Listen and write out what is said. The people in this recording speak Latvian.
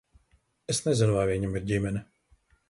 Es nezinu, vai viņam ir ģimene.